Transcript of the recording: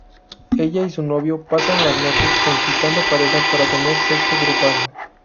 Ella y su novio pasan las noches conquistando parejas para tener sexo grupal.